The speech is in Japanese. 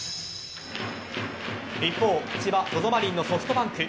一方、千葉・ＺＯＺＯマリンのソフトバンク。